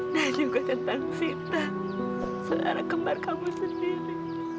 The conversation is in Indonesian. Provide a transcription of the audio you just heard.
dan juga tentang sita seorang kemar kamu sendiri